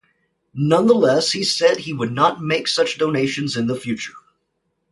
Nonetheless, he said he would not make such donations in the future.